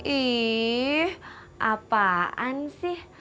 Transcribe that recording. ih apaan sih